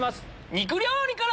肉料理から！